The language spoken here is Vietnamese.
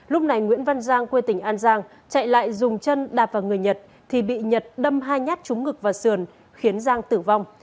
lúc này nguyễn văn giang quê tỉnh an giang chạy lại dùng chân đạp vào người nhật thì bị nhật đâm hai nhát trúng ngực và sườn khiến giang tử vong